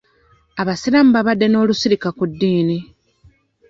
Abasiraamu baabadde n'olusirika ku ddiini.